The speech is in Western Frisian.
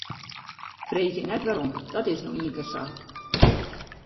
Freegje net wêrom, dat is no ienkear sa.